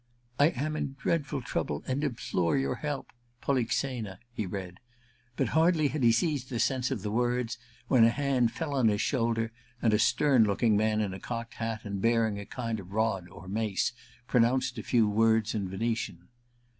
^ I am in dreadful trouble and implore your help. Polixena '— he read ; but hardly had he seized the sense of the words when a hand fell on his shoulder, and a stern looking man in a cocked hat, and bearing a kind of rod or mace, pronounced a few words in Venetian.